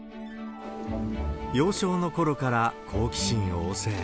幼少のころから好奇心旺盛。